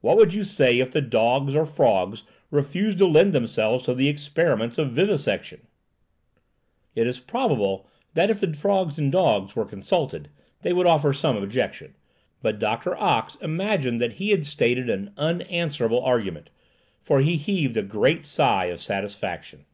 What would you say if the dogs or frogs refused to lend themselves to the experiments of vivisection?" It is in the interests of Science. It is probable that if the frogs and dogs were consulted, they would offer some objection; but Doctor Ox imagined that he had stated an unanswerable argument, for he heaved a great sigh of satisfaction.